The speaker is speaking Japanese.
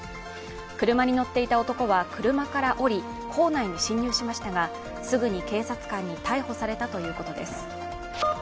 車に乗っていた男は、車から降り、校内に侵入しましたが、すぐに警察官に逮捕されたということです。